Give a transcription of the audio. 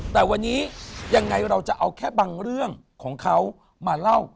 แต่วันนี้ยังไงเราจะเอาแค่บางเรื่องของเขามาเล่า